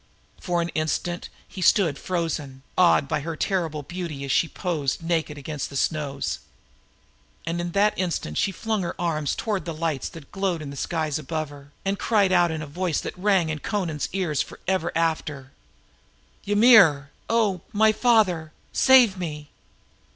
For an instant he stood frozen, awed by her terrible beauty as she posed naked against the snows. And in that instant she flung her arms toward the lights that glowed in the skies above her and cried out in a voice that rang in Amra's ears for ever after: "Ymir! Oh, my father, save me!"